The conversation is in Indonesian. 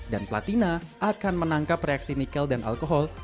dan platina akan menangkap reaksi nikel dan alkohol